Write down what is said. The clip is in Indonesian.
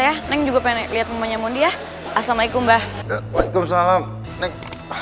ya neng juga pengen lihat mamanya mundi ya assalamualaikum mbah waalaikumsalam neng